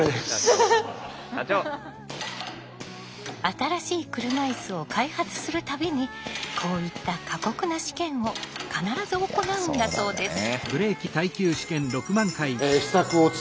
新しい車いすを開発する度にこういった過酷な試験を必ず行うんだそうです。